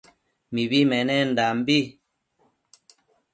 Mibi menendanbi